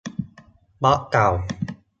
บล็อกเก่า